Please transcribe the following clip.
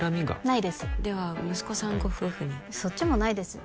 ないですでは息子さんご夫婦にそっちもないです